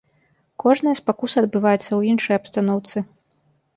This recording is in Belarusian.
Кожная спакуса адбываецца ў іншай абстаноўцы.